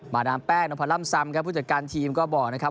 ดามแป้งนพร่ำซำครับผู้จัดการทีมก็บอกนะครับ